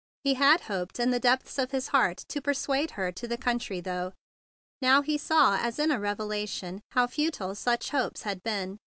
He had hoped in the depths of his heart to persuade her to the country, though. Now he saw as in a revelation how futile such hopes had been.